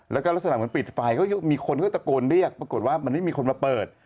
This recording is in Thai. แล้วก็ลักษณะเหมือนปิดไฟก็มีคนก็ตะโกนเรียกปรากฏว่ามันไม่มีคนมาเปิด